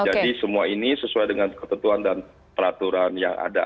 jadi semua ini sesuai dengan ketentuan dan peraturan yang ada